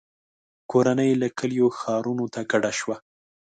• کورنۍ له کلیو ښارونو ته کډه شوه.